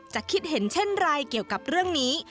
คิดเห็นเช่นไรเกี่ยวกับเรื่องนี้